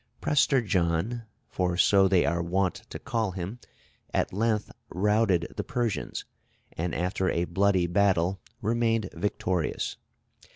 Prester John, for so they are wont to call him, at length routed the Persians, and after a bloody battle, remained victorious.